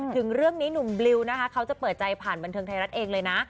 ถึงเรื่องนี้หนุ่มบลิวนะคะเขาจะเปิดใจผ่านบันเทิงไทยรัฐเองเลยนะ